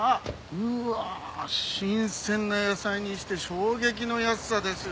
うわあ新鮮な野菜にして衝撃の安さですよ。